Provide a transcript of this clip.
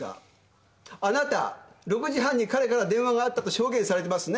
あなた「６時半に彼から電話があった」と証言されてますね。